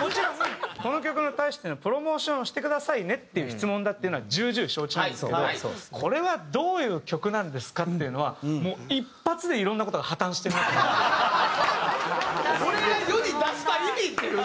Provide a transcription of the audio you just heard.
もちろん「この曲に対してのプロモーションをしてくださいね」っていう質問だっていうのは重々承知なんですけど「これはどういう曲なんですか？」っていうのは「俺が世に出した意味！」っていうね。